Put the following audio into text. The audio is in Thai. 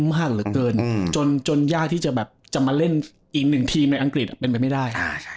มากเหลือเกินจนยากที่จะแบบจะมาเล่นอีกหนึ่งทีมในอังกฤษเป็นไปไม่ได้